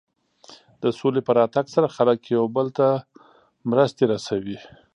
د سولې په راتګ سره خلک یو بل ته مرستې رسوي.